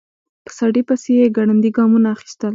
په سړي پسې يې ګړندي ګامونه اخيستل.